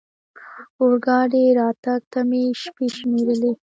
اورګاډي راتګ ته مې شېبې شمېرلې.